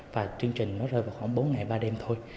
và chương trình nó rơi vào khoảng bốn ngày ba đêm thôi